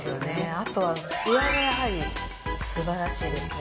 あとはツヤがやはりすばらしいですね。